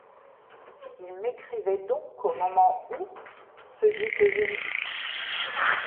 Il m’écrivait donc au moment où... se dit Eugénie.